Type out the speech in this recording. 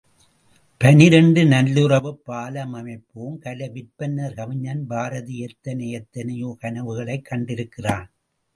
பனிரண்டு நல்லுறவுப் பாலம் அமைப்போம் கலை விற்பன்னர் கவிஞன் பாரதி எத்தனை எத்தனையோ கனவுகளைக் கண்டிருக்கிறான்.